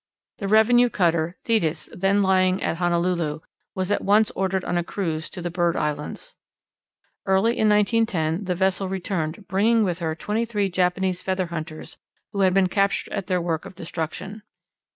The revenue cutter Thetis, then lying at Honolulu, was at once ordered on a cruise to the bird islands. Early in 1910 the vessel returned, bringing with her twenty three Japanese feather hunters who had been captured at their work of destruction.